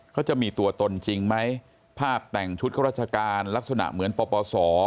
เขาจะมีตัวตนจริงไหมภาพแต่งชุดข้าราชการลักษณะเหมือนปปศ